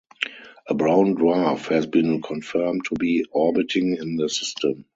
A brown dwarf has been confirmed to be orbiting in the system.